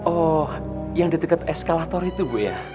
oh yang di deket eskalator itu gue ya